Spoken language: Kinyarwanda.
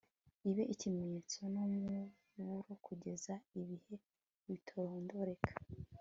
ibe ikimenyetso n'umuburo kugeza ibihe bitarondoreka